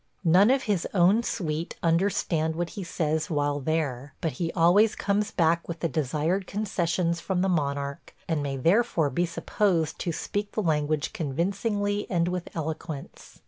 None of his own suite understand what he says while there, but he always comes back with the desired concessions from the monarch and may therefore be supposed to speak the language convincingly and with eloquence.